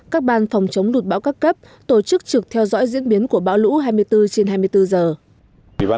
các ban phòng chống lụt bão các cấp tổ chức trực theo dõi diễn biến của bão lũ hai mươi bốn trên hai mươi bốn giờ